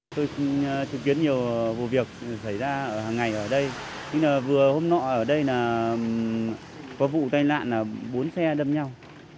tôi thực hiện nhiều vụ việc xảy ra hàng ngày ở đây vừa hôm nọ ở đây là có vụ tai nạn là bốn xe đâm nhau